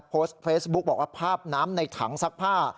โพสต์เฟซบุ๊กบอกว่าภาพน้ำในถังซักผ้า